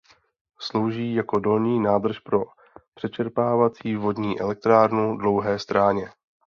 Slouží jako dolní nádrž pro Přečerpávací vodní elektrárnu Dlouhé stráně.